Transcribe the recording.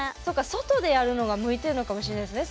外でやるのが向いてんのかもしれないですね